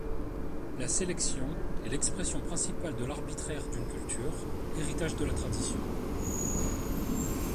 La sélection est l'expression principale de l'arbitraire d'une culture, héritage de la tradition.